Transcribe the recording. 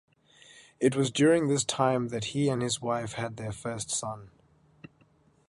It was during this time that he and his wife had their first son.